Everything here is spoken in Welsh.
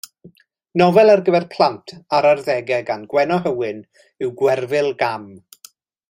Nofel ar gyfer plant a'r arddegau gan Gwenno Hywyn yw Gwerfyl Gam.